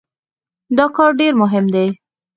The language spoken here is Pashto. دا کار ډېر مهم دی.